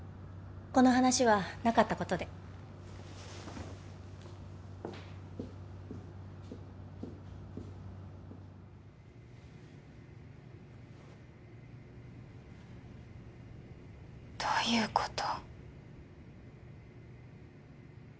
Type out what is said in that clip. この話はなかったことでどういうこと？